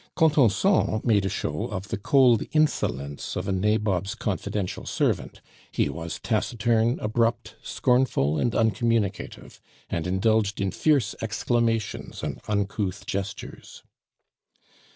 Contenson made a show of the cold insolence of a nabob's confidential servant; he was taciturn, abrupt, scornful, and uncommunicative, and indulged in fierce exclamations and uncouth gestures.